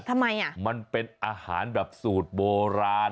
ทำไมอ่ะมันเป็นอาหารแบบสูตรโบราณ